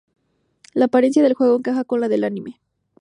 La apariencia del juego encaja con la del anime.